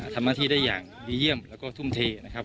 ทำหน้าที่ได้อย่างดีเยี่ยมแล้วก็ทุ่มเทนะครับ